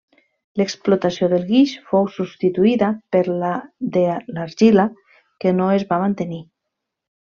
L'explotació del guix fou substituïda per la de l'argila que no es va mantenir.